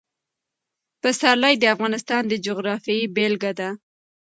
پسرلی د افغانستان د جغرافیې بېلګه ده.